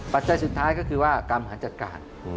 ปัจจัยสุดท้ายก็คือว่าการหาจัดการ